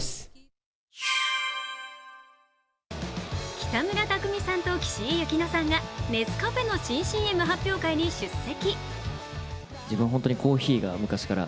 北村匠海さんと岸井ゆきのさんがネスカフェの新ＣＭ発表会に出席。